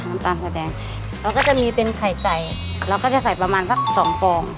น้ำตาลแสดงเราก็จะมีเป็นไข่ไก่เราก็จะใส่ประมาณสักสองฟอง